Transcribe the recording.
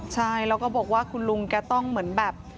ใช่แล้วก็บอกว่าคุณลุงแกต้องเหมือนแบบ